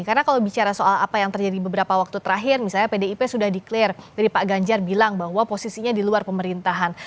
karena kalau bicara soal apa yang terjadi beberapa waktu terakhir misalnya pdip sudah deklarasi dari pak ganjar bilang bahwa posisinya di luar pemerintahan